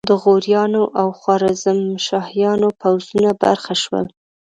د غوریانو او خوارزمشاهیانو پوځونو برخه شول.